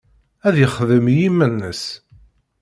Ad yexdem i yiman-nnes.